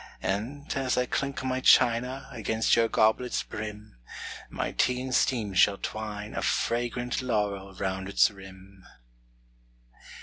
And, as I clink my china Against your goblet's brim, My tea in steam shall twine a Fragrant laurel round its rim.